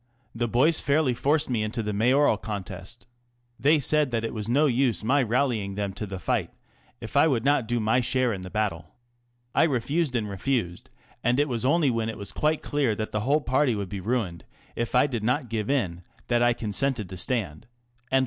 The boys fairly forced me into the Mayoral contest. They said that it was no use my rallying them to the fight if I would not do my share in the battle. I refused and refused, and it was only when it was quite clear that the whole party would be ruined if I did not give in that I consented to stand."